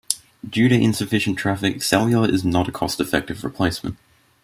Due to insufficient traffic, cellular is not a cost-effective replacement.